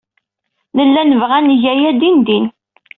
Nella nebɣa ad neg aya dindin.